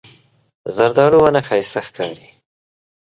زردالو ونه ښایسته ښکاري.